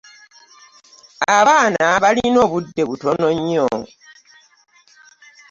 Abaana balina obudde butono nnyo.